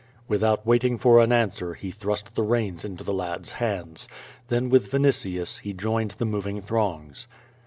Without waiting for an answer, he thrust the reins into the lad's hands. Then with Vinitius he joined the moving throngs.